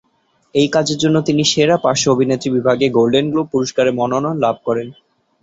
এই কাজের জন্য তিনি সেরা পার্শ্ব অভিনেত্রী বিভাগে গোল্ডেন গ্লোব পুরস্কারের মনোনয়ন লাভ করেন।